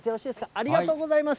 ありがとうございます。